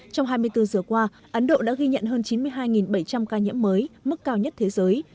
trong hai mươi bốn giờ qua ấn độ đã ghi nhận hơn chín mươi hai bảy trăm linh ca nhiễm mới mức cao nhất thế giới